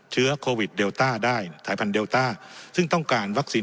เชื้อโควิดเดลต้าได้สายพันธุเดลต้าซึ่งต้องการวัคซีน